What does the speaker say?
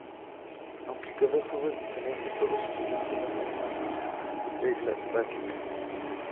Aunque cada juego es diferente, todos utilizan las mismas reglas básicas.